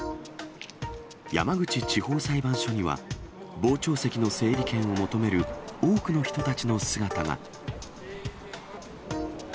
山口地方裁判所には、傍聴席の整理券を求める多くの人たちの姿が。